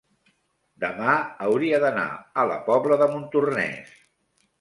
demà hauria d'anar a la Pobla de Montornès.